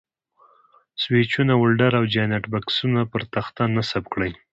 سویچونه، ولډر او جاینټ بکسونه پر تخته نصب کړئ.